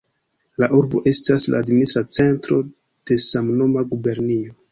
La urbo estas la administra centro de samnoma gubernio.